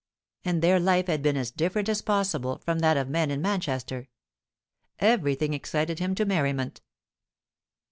And their life had been as different as possible from that of men in Manchester. Everything excited him to merriment.